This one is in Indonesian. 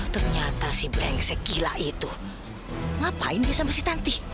ternyata si brengsek gila itu ngapain dia sama si tanti